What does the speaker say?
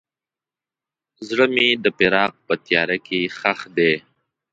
زړه مې د فراق په تیاره کې ښخ دی.